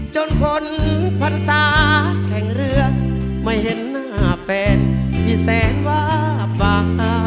จนคนพันษาแข่งเรือไม่เห็นหน้าแฟนพี่แสนว่าบ้า